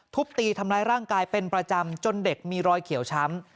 ทุบตีทำร้ายร่างกายเป็นประจำจนเด็กมีรอยเขียวช้ำ